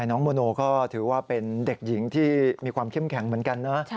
น้องโมโนก็ถือว่าเป็นเด็กหญิงที่มีความเข้มแข็งเหมือนกันนะ